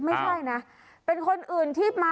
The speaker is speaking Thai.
ไม่ใช่นะเป็นคนอื่นที่มาเปลี่ยนเรา